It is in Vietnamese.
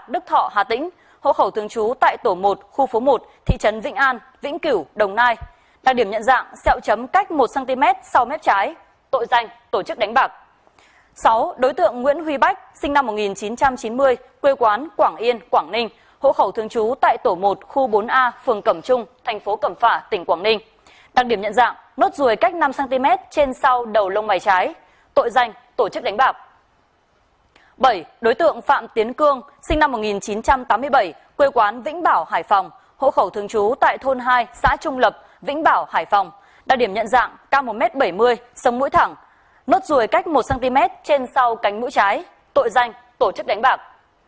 bảy đối tượng phạm tiến cương sinh năm một nghìn chín trăm tám mươi bảy quê quán vĩnh bảo hải phòng hộ khẩu thường trú tại thôn hai xã trung lập vĩnh bảo hải phòng đa điểm nhận dạng cao một m bảy mươi sông mũi thẳng nốt rùi cách một cm trên sau cánh mũi trái tội danh tổ chức đánh bạc